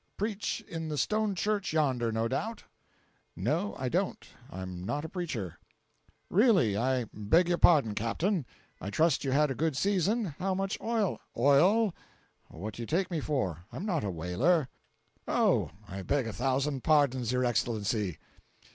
Preach in the stone church yonder, no doubt?" "No, I don't. I'm not a preacher." "Really, I beg your pardon, Captain. I trust you had a good season. How much oil"— "Oil? What do you take me for? I'm not a whaler." "Oh, I beg a thousand pardons, your Excellency.